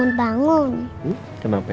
tapi mengurus hanya akan